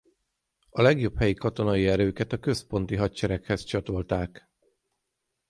A legjobb helyi katonai erőket a központi hadsereghez csatolták.